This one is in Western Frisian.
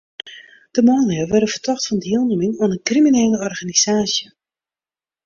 De manlju wurde fertocht fan dielnimming oan in kriminele organisaasje.